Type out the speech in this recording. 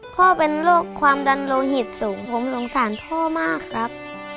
พ่อเป็นโรคความดันโลหิตสูงผมสงสารพ่อมากครับ